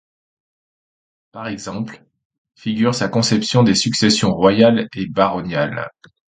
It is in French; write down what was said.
Par exemple, figure sa conception des successions royale et baronniale.